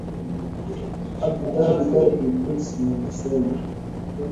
abu dhabi grand prix amesema